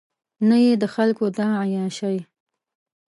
نه یې د خلکو دا عیاشۍ.